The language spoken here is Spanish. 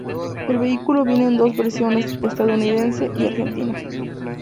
El vehículo viene en dos versiones, estadounidense, y argentina.